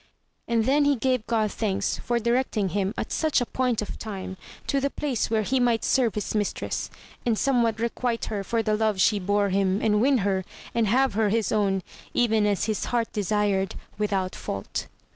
and then he gave God thanks for directing him, at such a point of time, to the place where he might serve his mistress, and somewhat requite her for the love she bore him, and win her, and have her his own, even as his heart desired, without fault.